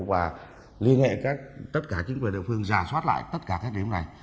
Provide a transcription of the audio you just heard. và liên hệ tất cả chính quyền địa phương giả soát lại tất cả các điểm này